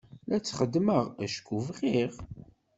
La t-xeddmeɣ acku bɣiɣ.